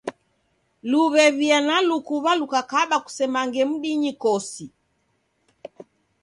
Luw'ew'ia na lukuw'a lukakaba kusemange mdinyi kosi.